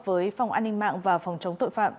với phòng an ninh mạng và phòng chống tội phạm